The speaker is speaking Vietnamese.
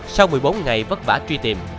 sau một mươi bốn ngày vất vả truy tìm